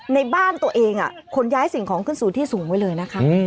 ในบ้านตัวเองขนย้ายสิ่งของขึ้นสู่ที่สูงไว้เลยนะคะ